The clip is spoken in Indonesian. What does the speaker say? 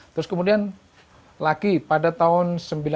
terus kemudian lagi pada tahun seribu sembilan ratus sembilan puluh